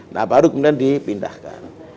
nah baru kemudian dipindahkan